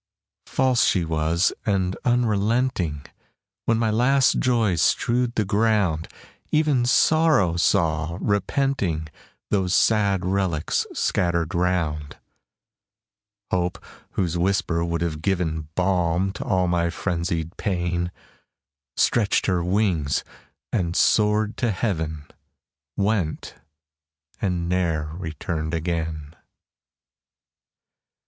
False she was, and unrelenting; When my last joys strewed the ground, Even Sorrow saw, repenting, Those sad relics scattered round; Hope, whose whisper would have given Balm to all my frenzied pain, Stretched her wings, and soared to heaven, Went, and ne'er returned again!